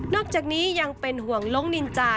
อกจากนี้ยังเป็นห่วงล้งนินจา